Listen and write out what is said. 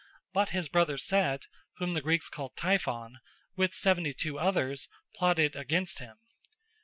But his brother Set (whom the Greeks called Typhon) with seventy two others plotted against him.